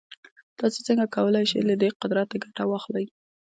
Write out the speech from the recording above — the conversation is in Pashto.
تاسې څنګه کولای شئ له دې قدرته ګټه واخلئ.